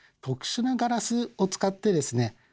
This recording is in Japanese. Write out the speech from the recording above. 特殊なガラスを使ってですね